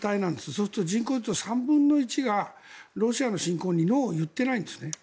そうすると、人口にすると３分の１がロシアの侵攻にノーを言ってないんですね。